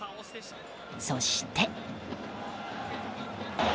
そして。